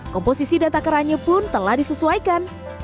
komposisi dan takarannya pun telah disesuaikan